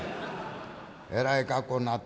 「えらい格好になった。